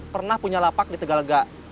pernah punya lapak di tegalega